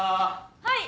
はい！